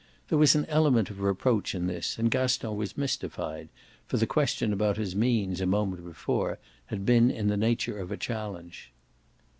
There was an element of reproach in this and Gaston was mystified, for the question about his means a moment before had been in the nature of a challenge.